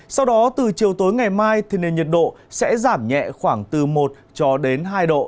sau đó từ chiều tối ngày mai thì nền nhiệt độ sẽ giảm nhẹ khoảng từ một hai độ